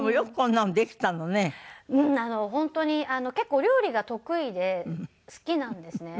本当に結構料理が得意で好きなんですね。